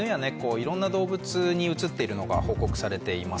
いろんな動物にうつっているのが報告されています。